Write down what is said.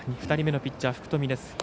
２人目のピッチャー福冨です。